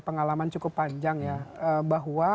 pengalaman cukup panjang ya bahwa